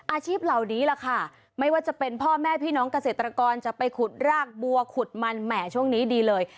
อาชีพเหล่านี้แหละค่ะไม่ว่าจะเป็นพ่อแม่พี่น้องเกษตรกรจะไปขุดรากบัวขุดมันแหม่ช่วงนี้ดีเลย